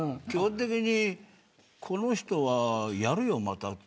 基本的にこの人はやるよ、また。